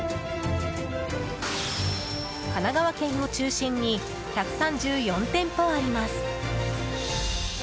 神奈川県を中心に１３４店舗あります。